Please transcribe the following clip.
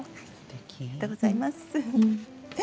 ありがとうございます。